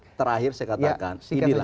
dan saya terakhir saya katakan